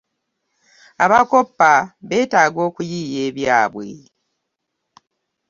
Abakoppa betaga okuyiiya ebyabwe.